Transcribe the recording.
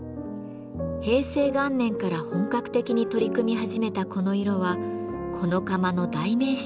平成元年から本格的に取り組み始めたこの色はこの窯の代名詞となります。